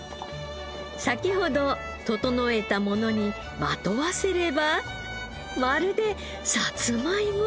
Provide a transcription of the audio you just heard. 先ほど整えたものにまとわせればまるでさつまいも。